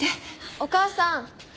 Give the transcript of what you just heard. お母さん！